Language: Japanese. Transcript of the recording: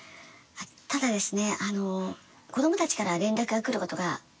ただですね。